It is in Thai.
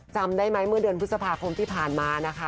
จำได้ไหมเมื่อเดือนพฤษภาคมที่ผ่านมานะคะ